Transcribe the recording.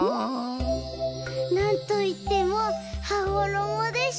なんといってもはごろもでしょ！